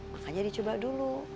makanya dicoba dulu